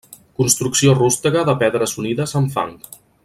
Construcció rústega de pedres unides amb fang.